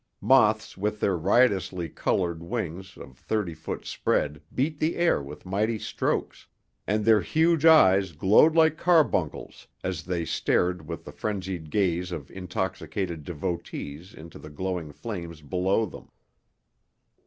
Moths with their riotously colored wings of thirty foot spread beat the air with mighty strokes, and their huge eyes glowed like carbuncles as they stared with the frenzied gaze of intoxicated devotees into the glowing flames below them.